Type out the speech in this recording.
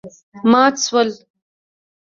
مات شول.